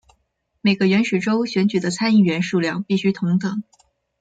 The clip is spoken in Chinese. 每个原始州选举的参议员数量必须同等。